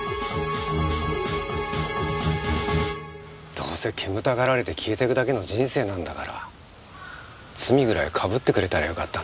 どうせ煙たがられて消えてくだけの人生なんだから罪ぐらいかぶってくれたらよかったのに。